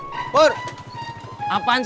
sikap terserah mas